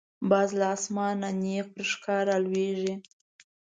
باز له آسمانه نیغ پر ښکار را لویږي